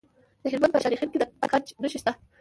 د هلمند په خانشین کې د ګچ نښې شته.